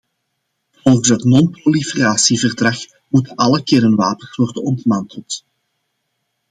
Volgens het non-proliferatieverdrag moeten alle kernwapens worden ontmanteld.